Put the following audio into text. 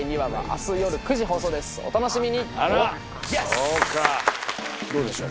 そうかどうでしょう？